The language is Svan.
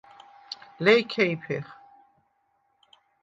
ლეჲქეიფეხ.